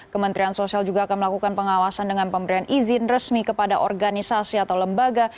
kementerian sosial juga akan melakukan pengawasan dengan pemberian izin resmi kepada organisasi atau lembaga